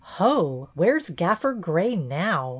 "Ho, where's Gaffer Grey now.?"